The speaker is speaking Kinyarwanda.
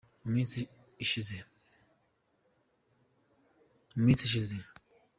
muminsi ishize.